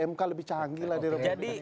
mk lebih canggih lah di republik